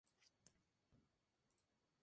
Begonia sect.